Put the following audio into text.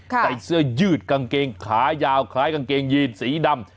ใส่เสื้อยืดกางเกงขายาวคล้ายกางเกงยีนสีดำ